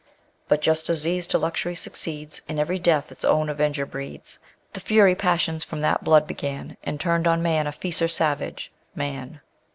"* But just disease to luxury succeeds, And every death its own avenger breeds ; The fury passions from that blood began, And turned on man a fiercer savage â Man.